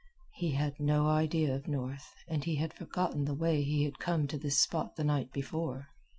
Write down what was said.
He had no idea of north, and he had forgotten the way he had come to this spot the night before.